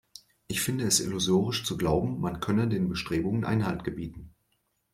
Ich finde es illusorisch zu glauben, man könne den Bestrebungen Einhalt gebieten.